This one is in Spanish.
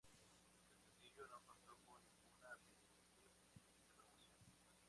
El sencillo no contó con ningún videoclip de promoción.